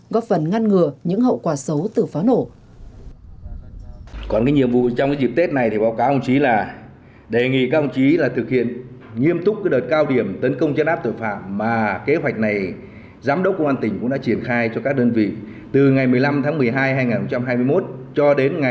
góp phần ngăn ngừa những hậu quả xấu từ pháo nổ